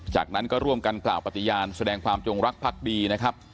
จากนั้นก็ร่วมกันกล่าวปฏิญาณแสดงความจงรักพักดีนะครับ